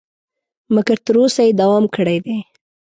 مګر تر اوسه یې دوام کړی دی.